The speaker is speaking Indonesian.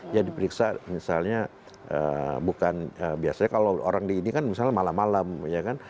ya diperiksa misalnya bukan biasanya kalau orang di ini kan misalnya malam malam ya kan